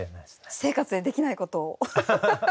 私生活でできないことを。